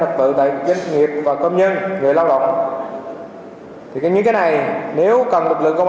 tật tự tại doanh nghiệp và công nhân người lao động thì những cái này nếu cần lực lượng công